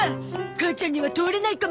母ちゃんには通れないかもね。